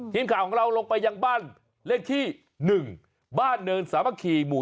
ทีมข่าวของเราลงไปยังบ้านเลขที่๑บ้านเนินสามัคคีหมู่